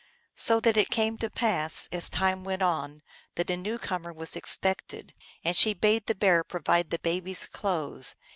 So that it came to pass, as time went on, that a new comer was expected, and she bade the Bear pro vide the baby s clothes.